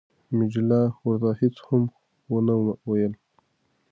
منډېلا ورته هیڅ هم ونه ویل.